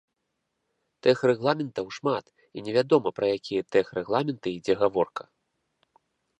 Тэхрэгламентаў шмат, і не вядома, пра якія тэхрэгламенты ідзе гаворка.